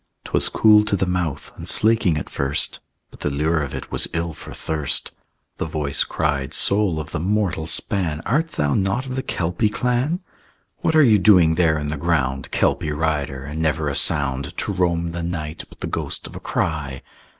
'Twas cool to the mouth and slaking at first, But the lure of it was ill for thirst. The voice cried, "Soul of the mortal span, Art thou not of the Kelpie clan?" "What are you doing there in the ground, Kelpie rider, and never a sound "To roam the night but the ghost of a cry?"